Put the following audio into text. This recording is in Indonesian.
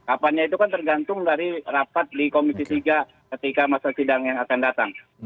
apanya itu kan tergantung dari rapat di komisi tiga ketika masa sidang yang akan datang